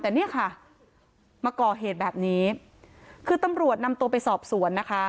แต่เนี่ยค่ะมาก่อเหตุแบบนี้คือตำรวจนำตัวไปสอบสวนนะคะ